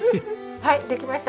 はい出来ました。